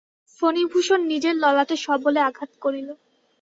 ফণিভূষণ নিজের ললাটে সবলে আঘাত করিল।